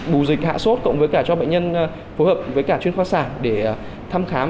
bù dịch hạ sốt cộng với cả cho bệnh nhân phù hợp với cả chuyên khoa sản để thăm khám